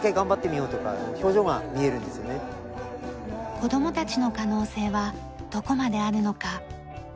子供たちの可能性はどこまであるのか。